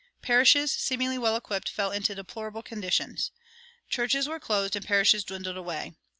Parishes, seemingly well equipped, fell into a "deplorable condition"; churches were closed and parishes dwindled away.